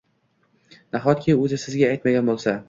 Nahotki o`zi sizga aytmagan bo`lsa